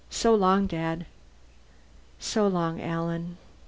So long, Dad." "So long, Alan."